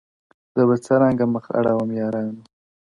زه به څرنگه مخ اړوم يارانو!!